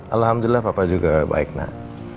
alhamdulillah papa juga baik nah